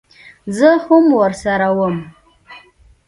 زه هم ورسره وم.